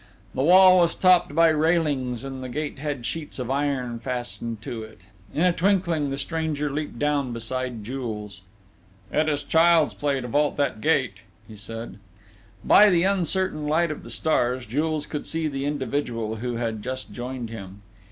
The wall was topped by railings, and the gate had sheets of iron fastened to it. In a twinkling, the stranger leaped down beside Jules. "It's child's play to vault that gate," he said. By the uncertain light of the stars, Jules could see the individual who had just joined him.